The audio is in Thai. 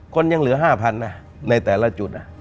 คนยังเหลือ๕๐๐๐นะในแต่ละจุด